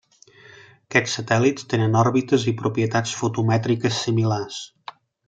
Aquests satèl·lits tenen òrbites i propietats fotomètriques similars.